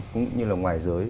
cũng như là ngoài dưới